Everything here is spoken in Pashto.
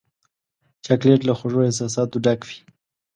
چاکلېټ له خوږو احساساتو ډک وي.